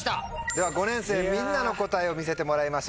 では５年生みんなの答えを見せてもらいましょう。